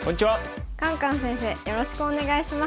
カンカン先生よろしくお願いします。